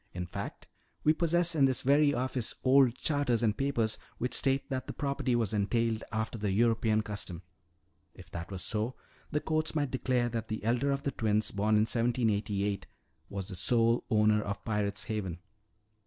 In fact, we possess in this very office old charters and papers which state that the property was entailed after the European custom. If that were so, the courts might declare that the elder of the twins born in 1788 was the sole owner of Pirate's Haven.